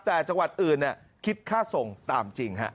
แต่จังหวัดอื่นคิดค่าส่งตามจริงฮะ